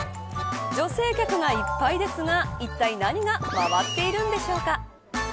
女性客がいっぱいですがいったい何が回っているのでしょうか。